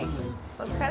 お疲れ。